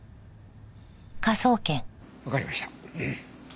わかりました。